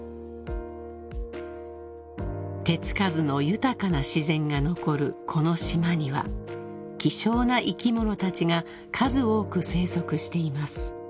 ［手付かずの豊かな自然が残るこの島には希少な生き物たちが数多く生息しています］